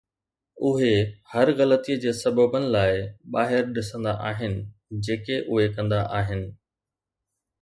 اهي هر غلطي جي سببن لاء ٻاهر ڏسندا آهن جيڪي اهي ڪندا آهن.